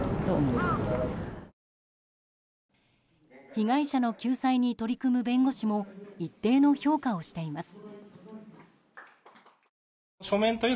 被害者の救済に取り組む弁護士も一定の評価をしています。